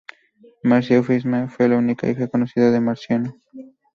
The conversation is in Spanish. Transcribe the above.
Marcia Eufemia fue la única hija conocida de Marciano.